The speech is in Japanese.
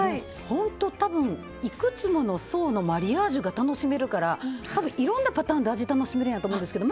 本当、多分いくつもの層のマリアージュが楽しめるからいろんなパターンで味を楽しめると思うんですけど